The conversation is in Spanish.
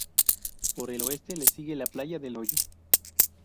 Por el oeste le sigue la playa del Hoyo.